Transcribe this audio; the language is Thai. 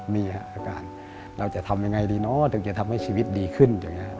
นี่ค่ะอาการเราจะทำยังไงดีเนอะจะทำให้ชีวิตดีขึ้น